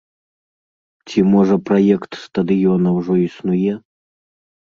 Ці, можа, праект стадыёна ўжо існуе?